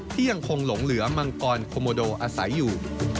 ยังคงหลงเหลือมังกรโคโมโดอาศัยอยู่